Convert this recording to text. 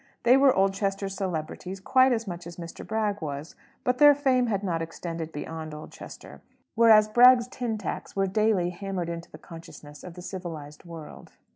They were Oldchester celebrities quite as much as Mr. Bragg was. But their fame had not extended beyond Oldchester; whereas Bragg's tin tacks were daily hammered into the consciousness of the civilized world.